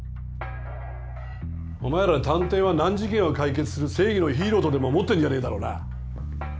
お前ら探偵は難事件を解決する正義のヒーローとでも思ってんじゃねえだろうな。